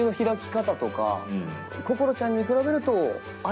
こころちゃんに比べると。